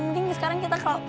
mending sekarang kita ke rumah ya